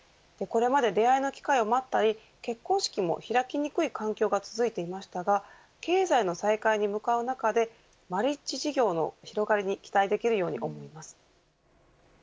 これまで出会いの機会を待ったり結婚式も開きにくい環境が続いていましたが経済の再開に向かう中でマリッジ事業の広がりに期待できるように思います。